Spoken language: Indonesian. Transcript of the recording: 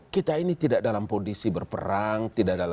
kita ini tidak dalam kondisi berperang